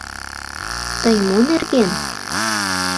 Тый мо нерген?